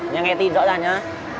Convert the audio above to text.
nhanh nghe tin rõ ràng nhá